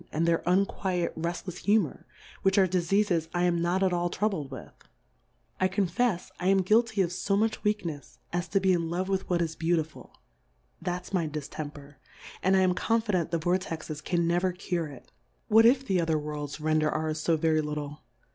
139 and their unquiet reftlefs Humour, which are Difeafes I am not at all troubled with ; I confefs I am guilty of fo much Weaknefs, as to be in Love with what is Beautiful ; that'^s my Di ftemper, and I am confident the Vor texes can never cure it : What if the other Worlds render ours fb very little